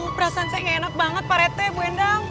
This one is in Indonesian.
perasaan saya gak enak banget pak rete bu endang